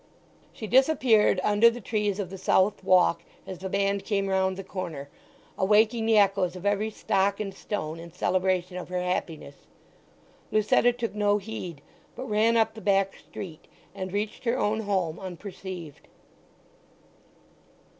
She disappeared under the trees of the south walk as the band came round the corner, awaking the echoes of every stock and stone in celebration of her happiness. Lucetta took no heed, but ran up the back street and reached her own home unperceived.